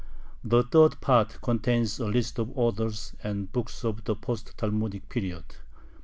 The third part contains a list of authors and books of the post Talmudic period.